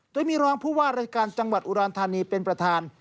โดยมีรองผู้ว่ารายการจังหวัดอุดรธานีเป็นประธาน